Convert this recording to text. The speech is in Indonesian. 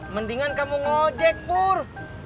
mendingan kamu ngojek pur